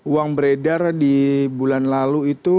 uang beredar di bulan lalu itu